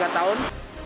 kena tiga tahun